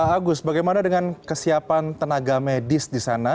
agus bagaimana dengan kesiapan tenaga medis di sana